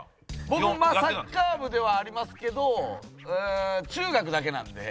僕もサッカー部ではありますけど中学だけなんで。